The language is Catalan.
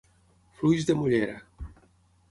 Fluix de mollera.